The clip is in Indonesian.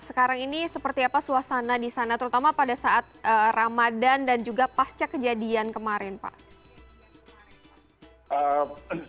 sekarang ini seperti apa suasana di sana terutama pada saat ramadhan dan juga pasca kejadian kemarin pak